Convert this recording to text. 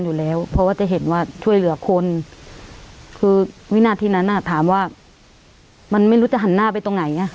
อยู่แล้วเพราะว่าจะเห็นว่าช่วยเหลือคนคือวินาทีนั้นอ่ะถามว่ามันไม่รู้จะหันหน้าไปตรงไหนไง